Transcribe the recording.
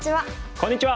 こんにちは。